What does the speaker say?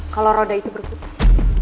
kalau roda itu berputar